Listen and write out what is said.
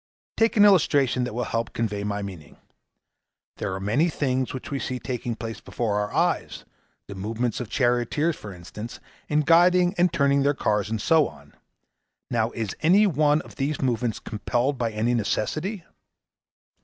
Take an illustration that will help to convey my meaning. There are many things which we see taking place before our eyes the movements of charioteers, for instance, in guiding and turning their cars, and so on. Now, is any one of these movements compelled by any necessity?'